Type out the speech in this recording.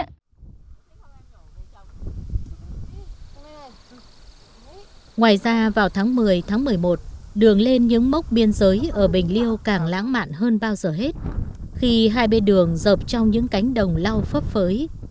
ngoài ra vào tháng một mươi tháng một mươi một đường lên những mốc biên giới ở bình liêu càng lãng mạn hơn bao giờ hết khi hai bên đường dọc trong những cánh đồng lau phớp phới